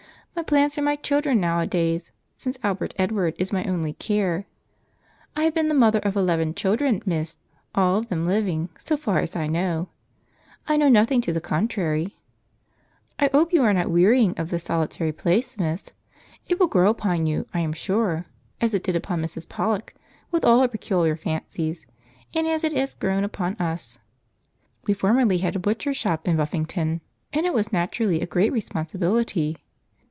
My plants are my children nowadays, since Albert Edward is my only care. I have been the mother of eleven children, miss, all of them living, so far as I know; I know nothing to the contrary. I 'ope you are not wearying of this solitary place, miss? It will grow upon you, I am sure, as it did upon Mrs. Pollock, with all her peculiar fancies, and as it 'as grown upon us. We formerly had a butcher's shop in Buffington, and it was naturally a great responsibility.